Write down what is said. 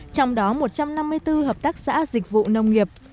trong đó một trăm năm mươi bốn hợp tác xã dịch vụ nông nghiệp